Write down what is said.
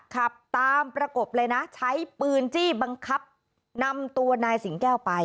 ขับตามประกบเลยนะใช้ปืนจี้บังคับนำตัวนายสิงแก้วไป